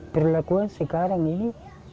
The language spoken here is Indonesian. perlakuan sekarang ini